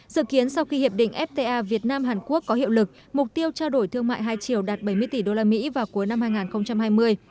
dự kiến sau khi hiệp định fta việt nam hàn quốc có hiệu lực mục tiêu trao đổi thương mại hai triều đạt bảy mươi tỷ usd vào cuối năm hai nghìn hai mươi